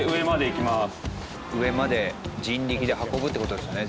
上まで人力で運ぶって事ですね